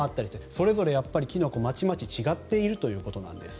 それぞれキノコまちまち違っているということなんです。